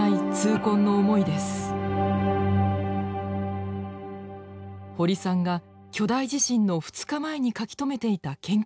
堀さんが巨大地震の２日前に書き留めていた研究メモです。